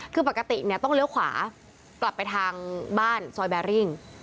คือปกติเนี่ยต้องเลี้ยวขวากลับไปทางบ้านซอยแบริ่ง